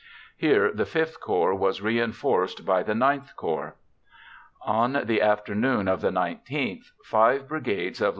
Here the V Corps was reinforced by the IX Corps. On the afternoon of the 19th, five brigades of Lt.